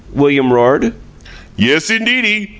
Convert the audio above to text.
William roared. "Yes, indeedy!